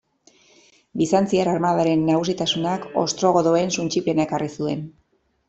Bizantziar armadaren nagusitasunak ostrogodoen suntsipena ekarri zuen.